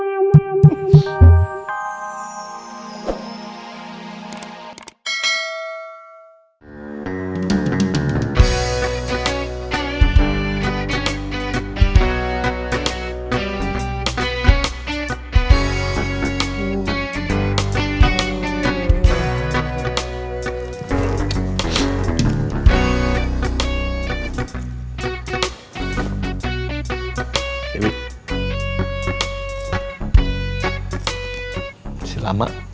dewi masih lama